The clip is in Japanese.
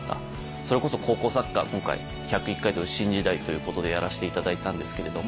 それこそ高校サッカー今回１０１回と新時代ということでやらしていただいたんですけど